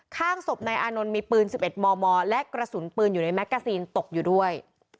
ข้างศพนายอานนท์มีปืน๑๑มมและกระสุนปืนอยู่ในแกซีนตกอยู่ด้วย